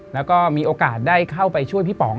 แล้วก็มีโอกาสได้เข้าไปช่วยพี่ป๋อง